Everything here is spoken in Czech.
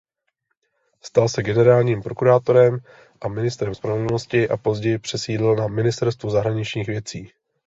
Stal se generálním prokurátorem a ministrem spravedlnosti a později přesídlil na ministerstvo zahraničních věcí.